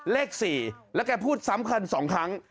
เลข๔แล้วแกพูดสำคัญสองครั้ง